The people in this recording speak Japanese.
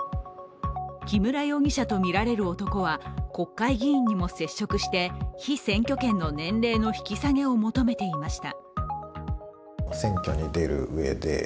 木村容疑者とみられる男は国会議員にも接触して被選挙権の年齢の引き下げを求めていました。